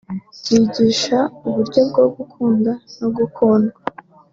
Byigisha uburyo bwo gukunda no gukundwa